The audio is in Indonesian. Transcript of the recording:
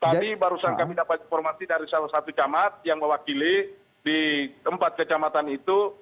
tadi barusan kami dapat informasi dari salah satu camat yang mewakili di empat kecamatan itu